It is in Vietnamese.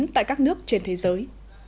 tại các nước trên thế giới